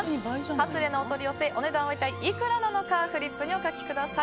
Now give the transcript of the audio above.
掠れのお取り寄せ、お値段は一体いくらなのかフリップにお書きください。